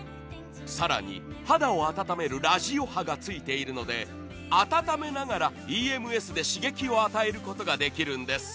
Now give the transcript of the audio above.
更に肌を温めるラジオ波がついているので、温めながらＥＭＳで刺激を与えることができるんです。